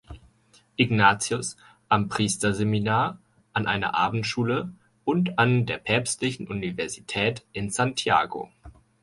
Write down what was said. Ignatius“, am Priesterseminar, an einer Abendschule und an der Päpstlichen Universität in Santiago.